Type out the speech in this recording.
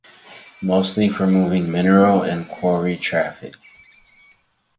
Mostly for moving mineral and quarry traffic.